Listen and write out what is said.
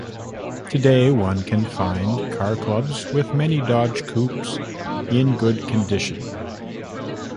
Today one can find car clubs with many Dodge coupes in good condition.